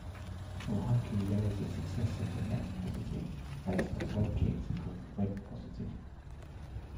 For Haiku there is a successor for NetPositive, based on WebKit, called WebPositive.